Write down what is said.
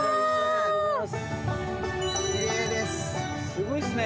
すごいっすね。